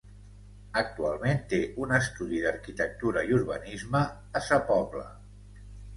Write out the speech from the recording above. Actualment té un estudi d'arquitectura i urbanisme a Sa Pobla.